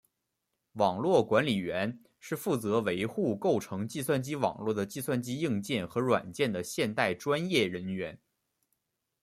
网络管理员是负责维护构成计算机网络的计算机硬件和软件的现代专业人员。